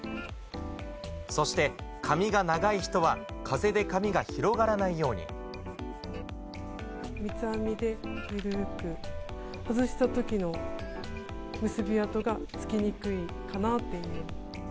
そして、髪が長い人は、三つ編みで緩く、外したあとの結び跡がつきにくいかなっていうような。